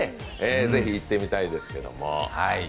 ぜひ行ってみたいですけども。